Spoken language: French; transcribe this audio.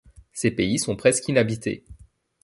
Ces pays sont presque inhabités.